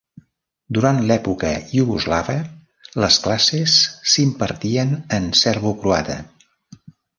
Durant l'època iugoslava, les classes s'impartien en serbocroata.